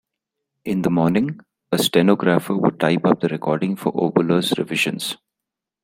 In the morning, a stenographer would type up the recording for Oboler's revisions.